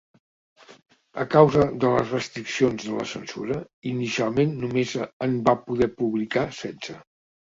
A causa de les restriccions de la censura, inicialment només en va poder publicar setze.